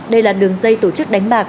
đây là đường dây tổ chức đánh bạc